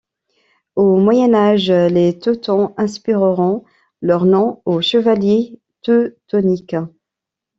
Au Moyen Âge, les Teutons inspireront leur nom aux chevaliers teutoniques.